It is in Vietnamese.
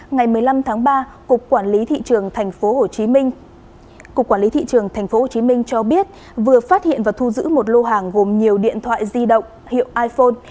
ngày một mươi năm tháng ba cục quản lý thị trường tp hcm cho biết vừa phát hiện và thu giữ một lô hàng gồm nhiều điện thoại di động hiệu iphone